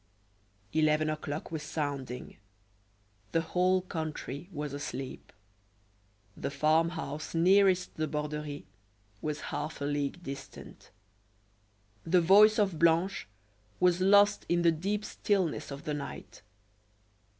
Eleven o'clock was sounding; the whole country was asleep. The farm house nearest the Borderie was half a league distant. The voice of Blanche was lost in the deep stillness of the night.